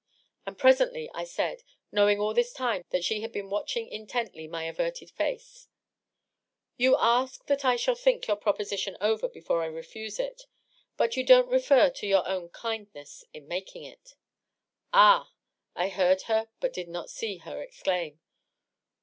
.. And presently I said, know ing all this time that she had been watching intently my averted face, —^' You ask that I shall think your proposition over before I refuse it. But you don't refer to your own kindness in making it." " Ah 1" I heard her but did not see her exclaim.